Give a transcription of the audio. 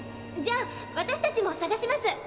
じゃあ私たちもさがします。